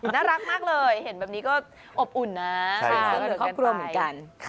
น่ารักมากเลยเห็นแบบนี้ก็อบอุ่นนะ